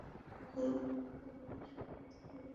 কখনো কখনো মনের সব কথা বলে বুঝানো যায় না।